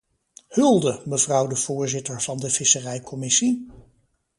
Hulde, mevrouw de voorzitter van de visserijcommissie.